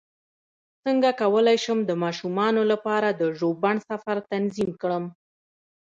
څنګه کولی شم د ماشومانو لپاره د ژوبڼ سفر تنظیم کړم